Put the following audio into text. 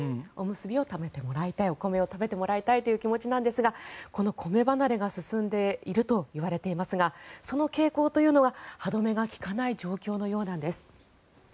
おむすびを食べてもらいたいお米を食べてもらいたいという気持ちなんですがこの米離れが進んでいるといわれていますがその傾向というのは歯止めが利かない状況のようです。